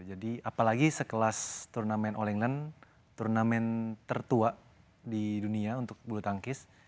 jadi apalagi sekelas turnamen all england turnamen tertua di dunia untuk bulu tangkis